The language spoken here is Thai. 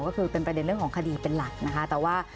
ก็คือเป็นประเด็นเรื่องของคดีเป็นหลักนะคะแต่ว่า